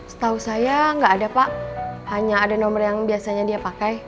setahu saya nggak ada pak hanya ada nomor yang biasanya dia pakai